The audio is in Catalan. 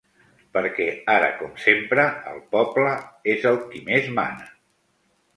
Perquè ara com sempre el poble és el qui més mana!